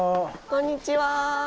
こんにちは。